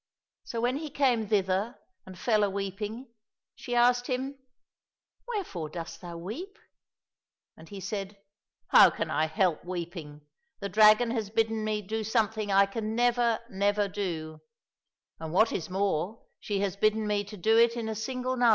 So when he came thither and fell a weeping, she asked him, " Wherefore dost thou weep ?"— And he said, *' How can I help weeping ? The dragon has bidden me do something I can never, never do ; and what is more, she has bidden me do it in a single night."